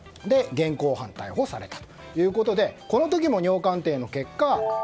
現行犯逮捕されたということでこの時も尿鑑定の結果